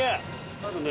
多分ね。